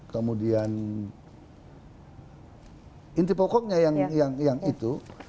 kemudian inti pokoknya yang itu